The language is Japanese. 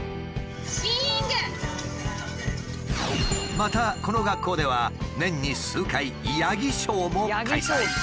またこの学校では年に数回ヤギショーも開催。